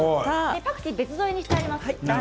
パクチーは別添えにしてあります。